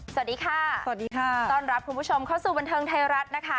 สวัสดีค่ะสวัสดีค่ะต้อนรับคุณผู้ชมเข้าสู่บันเทิงไทยรัฐนะคะ